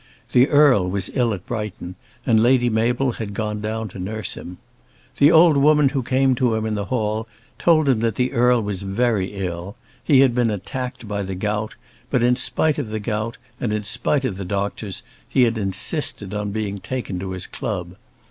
The Earl was ill at Brighton, and Lady Mabel had gone down to nurse him. The old woman who came to him in the hall told him that the Earl was very ill; he had been attacked by the gout, but in spite of the gout, and in spite of the doctors, he had insisted on being taken to his club.